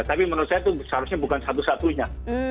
tapi menurut saya itu seharusnya bukan satu satunya